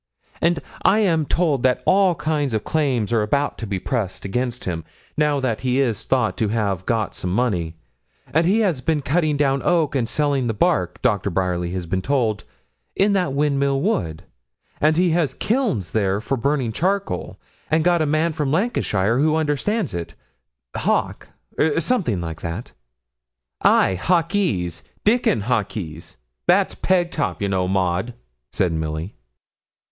And I am told that all kinds of claims are about to be pressed against him, now that he is thought to have got some money; and he has been cutting down oak and selling the bark, Doctor Bryerly has been told, in that Windmill Wood; and he has kilns there for burning charcoal, and got a man from Lancashire who understands it Hawk, or something like that.' 'Ay, Hawkes Dickon Hawkes; that's Pegtop, you know, Maud,' said Milly.